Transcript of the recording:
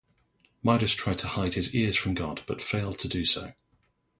Midas tried to hide his ears from god but failed to do so.